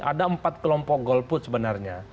ada empat kelompok golput sebenarnya